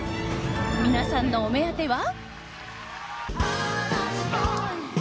皆さんのお目当ては。